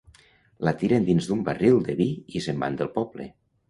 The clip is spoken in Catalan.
La tiren dins d'un barril de vi i se'n van del poble.